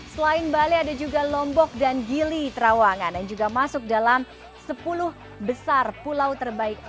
selain bali ada juga lombok dan gili terawangan yang juga masuk dalam sepuluh besar pulau terbaik